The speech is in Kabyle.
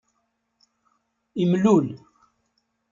Imlul.